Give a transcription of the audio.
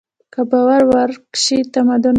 که باور ورک شي، تمدن ړنګېږي.